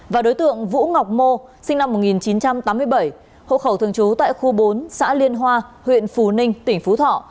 và đối tượng vũ ngọc mô sinh năm một nghìn chín trăm tám mươi bảy hộ khẩu thường trú tại khu bốn xã liên hoa huyện phú ninh tỉnh phú thọ